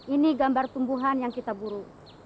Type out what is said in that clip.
ini gambar tumbuhan yang kita buru